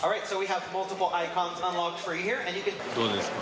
どうですか？